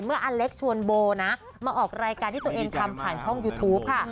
อเล็กชวนโบนะมาออกรายการที่ตัวเองทำผ่านช่องยูทูปค่ะ